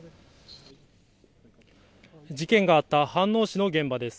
事件があった飯能市の現場です。